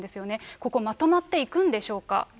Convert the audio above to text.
ここ、まとまっていくんでしょう